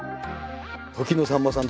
時のさんまさんと。